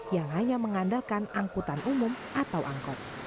yang hanya mengandalkan angkutan umum atau angkot